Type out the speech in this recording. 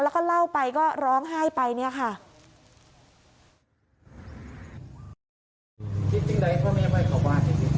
แล้วก็เล่าไปก็ร้องไห้ไปเนี่ยค่ะ